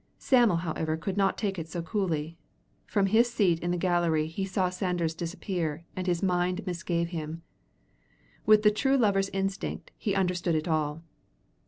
Sam'l, however, could not take it so coolly. From his seat in the gallery he saw Sanders disappear and his mind misgave him. With the true lover's instinct, he understood it all.